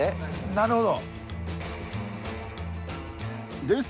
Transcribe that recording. なるほど。